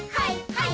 はい！